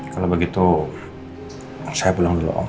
kalau begitu saya pulang dulu om